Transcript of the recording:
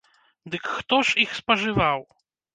Дык хто ж іх спажываў?